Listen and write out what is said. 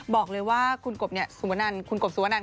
บอกเลยว่าคุณกบสุวนันค่ะ